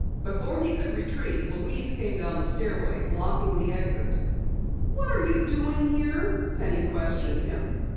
Before he could retreat, Louise came down the stairway, blocking the exit. "What are you doing here?" Penny questioned him.